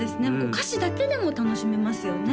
歌詞だけでも楽しめますよね